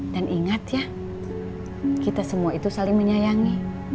dan ingat ya kita semua itu saling menyayangi